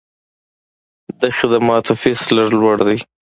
د خدماتو فیس لږ لوړ دی.